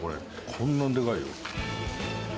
こんなにでかいよ。